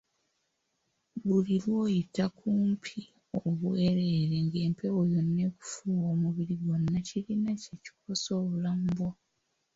Buli lw'oyita kumpi obwereere ng'empewo yonna ekufuuwa omubiri gwonna kirina kye kikosa obulamu bwo.